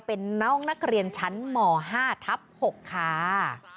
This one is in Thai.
เป็นน้องนักเรียนชั้นม๕ทับ๖ค่ะ